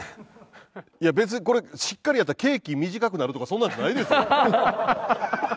いや別にこれしっかりやったら刑期短くなるとかそんなのないですよ。